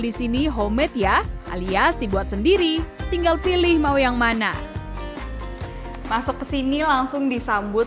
di sini homemade ya alias dibuat sendiri tinggal pilih mau yang mana masuk ke sini langsung disambut